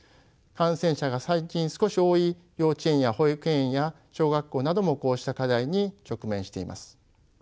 感染者が最近少し多い幼稚園や保育園や小学校などもこうした課題に直面しています。